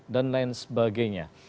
dan lain sebagainya